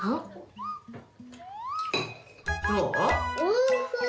おいしい。